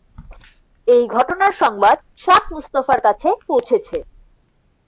এই ঘটনার সংবাদ শাহ মুস্তাফার কাছে পৌঁছেছে।